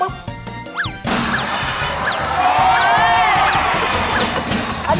อาจารย์